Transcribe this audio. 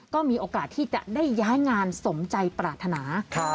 ก็มีโอกาสที่จะได้ย้ายงานสมใจปรารถนา